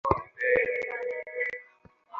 তা কেমন করে বলব বলুন।